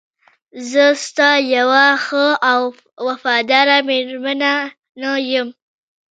زه ستا یوه ښه او وفاداره میرمن نه یم؟